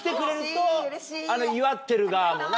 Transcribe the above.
祝ってる側もな。